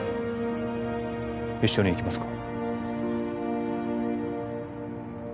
一緒に行きますか？